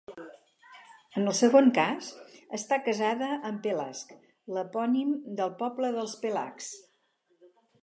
En el segon cas, està casada amb Pelasg, l'epònim del poble dels pelasgs.